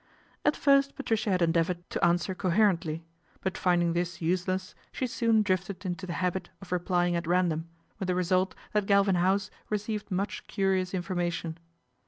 At first Patricia had endeavoured to answer coherently ; but finding this useless, she soon drifted into the habit of replying at random, with the result that Galvin House received much curious information.